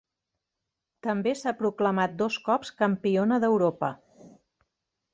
També s'ha proclamat dos cops campiona d'Europa.